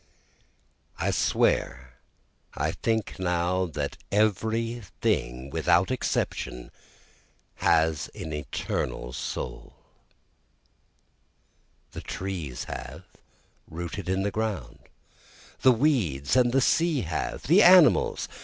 9 I swear I think now that every thing without exception has an eternal soul! The trees have, rooted in the ground! the weeds of the sea have! the animals!